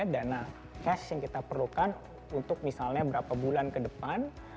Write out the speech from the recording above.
dana cash yang kita perlukan untuk misalnya berapa bulan ke depan